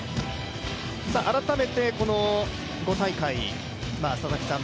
改めて５大会、佐々木さん